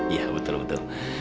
iya betul betul